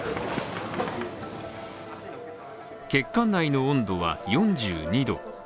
血管内の温度は４２度。